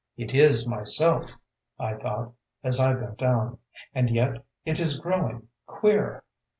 "'It is Myself,' I thought, as I bent down, 'and yet, it is growing queer!'...